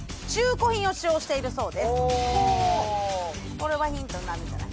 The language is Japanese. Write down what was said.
これはヒントになるんじゃない？